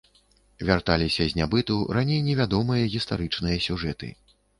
Вярталіся з нябыту раней не вядомыя гістарычныя сюжэты.